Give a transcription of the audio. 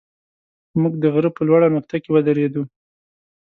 موږ د غره په لوړه نقطه کې ودرېدو.